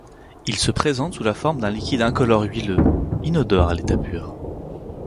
Il se présente sous la forme d'un liquide incolore huileux, inodore à l'état pur.